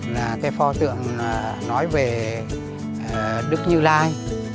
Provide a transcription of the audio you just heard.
là cái pho tượng nói về đức như lai